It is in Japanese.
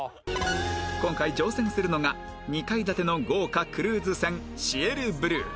今回乗船するのが２階建ての豪華クルーズ船シエルブルー